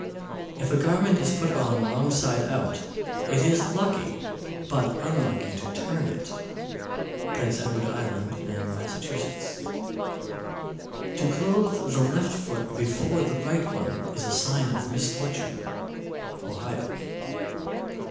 _ 625. If a garment is put on wrong side out, it is lucky, but unlucky to turn it. Prince Edward Island and Massachusetts. 626. To clothe the left foot before the right one is a sign of misfortune. _Ohio.